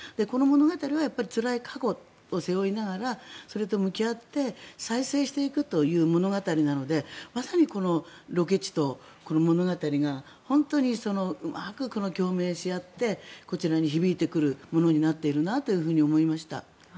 この物語はつらい過去を背負いながらそれと向き合って再生していくという物語なのでまさにこのロケ地とこの物語が本当に共鳴し合ってこちらに響いてくるものになっているなと思いました。